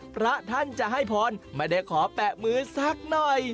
พระท่านจะให้พรไม่ได้ขอแปะมือสักหน่อย